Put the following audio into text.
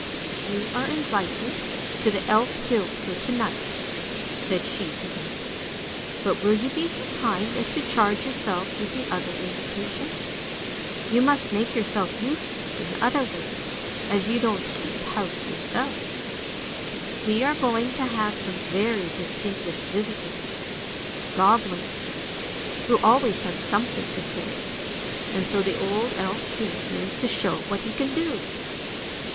" You are invited to the Elf hill for to night," said she to him. " But will you be so kind as to charge yourself with the other invitations. You must make yourself useful in other ways, as you don't keep house yourself. We are going to have some very distinguished visitors, goblins, who always have something to say, and so the old elf king means to show what he can do."